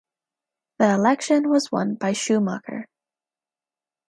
The election was won by Schumacher.